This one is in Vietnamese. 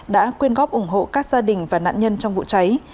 đã quyên góp ủng hộ các gia đình và nạn nhân trong vụ cháy